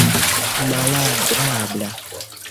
malagrabla